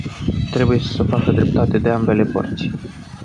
Trebuie să se facă dreptate de ambele părți.